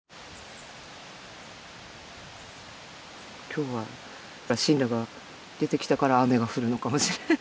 今日は森羅が出てきたから雨が降るのかもしれない。